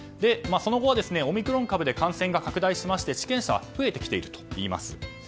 その後はオミクロン株で感染が拡大しまして治験者は増えてきています。